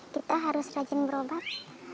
kita harus rajin berobat